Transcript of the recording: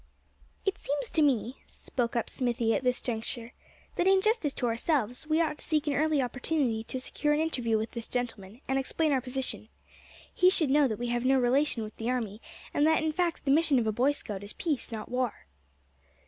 "It seems to me," spoke up Smithy at this juncture, "that in justice to ourselves we ought to seek an early opportunity to secure an interview with this gentleman, and explain our position. He should know that we have no relation with the army, and that in fact the mission of a Boy Scout is peace, not war."